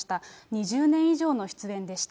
２０年以上の出演でした。